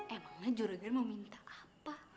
emangnya juragan mau minta apa